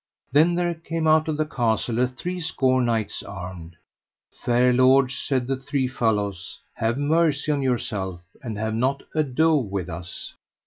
Then there came out of the castle a three score knights armed. Fair lords, said the three fellows, have mercy on yourself and have not ado with us.